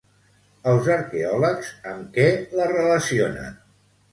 Els arqueòlegs amb què la relacionen?